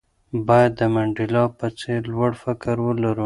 باید د منډېلا په څېر لوړ فکر ولرو.